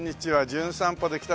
『じゅん散歩』で来た。